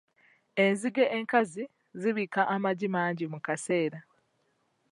Enzige enkazi zibiika amagi mangi mu kaseera.